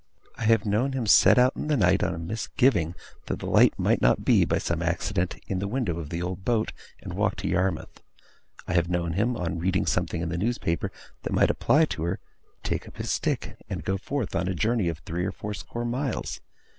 I have known him set out in the night, on a misgiving that the light might not be, by some accident, in the window of the old boat, and walk to Yarmouth. I have known him, on reading something in the newspaper that might apply to her, take up his stick, and go forth on a journey of three or four score miles.